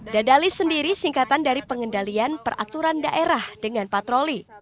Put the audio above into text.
dadalis sendiri singkatan dari pengendalian peraturan daerah dengan patroli